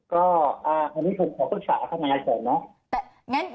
ก็อ่าอันนี้ผมขอฝึกฝากกับคุณสุนทรเนี่ย